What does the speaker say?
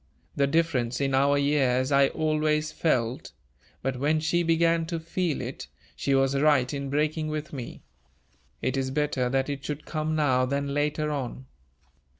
The difference in our years I always felt; but, when she began to feel it, she was right in breaking with me. It is better that it should come now than later on."